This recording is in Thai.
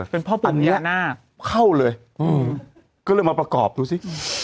เป็นพ่อปรุญญาทรงเกี่ยวค่าวเลยก็เลยมาประกอบดูซิ